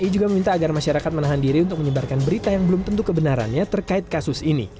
ia juga meminta agar masyarakat menahan diri untuk menyebarkan berita yang belum tentu kebenarannya terkait kasus ini